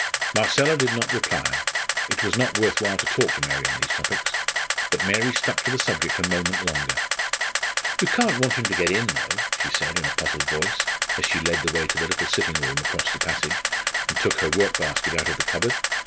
Marcella did not reply. It was not worth while to talk to Mary on these topics. But Mary stuck to the subject a moment longer. "You can't want him to get in, though?" she said in a puzzled voice, as she led the way to the little sitting room across the passage, and took her workbasket out of the cupboard.